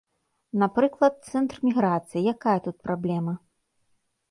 Напрыклад, цэнтр міграцыі, якая тут праблема?